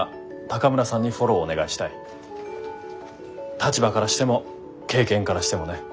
立場からしても経験からしてもね。